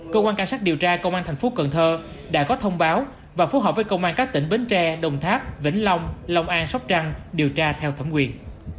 cơ quan cảnh sát điều tra công an thành phố cần thơ đã có thông báo và phối hợp với công an các tỉnh bến tre đồng tháp vĩnh long long an sóc trăng điều tra theo thẩm quyền